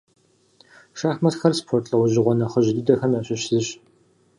Шахматхэр спорт лӏэужьыгъуэ нэхъыжь дыдэхэм ящыщ зыщ.